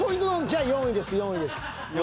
じゃ４位です４位です。